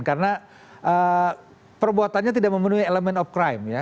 karena perbuatannya tidak memenuhi elemen of crime ya